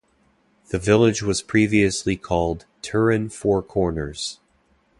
The village was previously called Turin Four Corners.